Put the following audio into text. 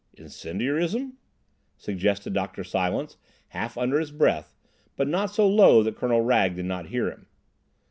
"Incendiarism?" suggested Dr. Silence, half under his breath, but not so low that Colonel Wragge did not hear him.